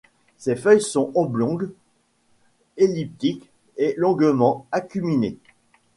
Ses feuilles sont oblongues, elliptiques et longuement acuminées.